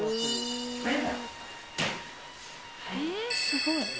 えすごい。